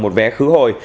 một vé khứ hồi